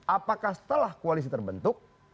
apakah setelah koalisi terbentuk